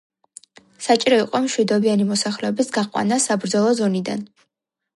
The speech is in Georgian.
საჭირო იყო მშვიდობიანი მოსახლეობის გაყვანა საბრძოლო ზონიდან.